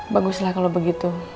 baguslah kalau begitu